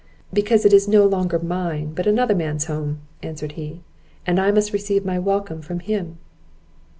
"Because it is no longer mine, but another man's home," answered he, "and I must receive my welcome from him."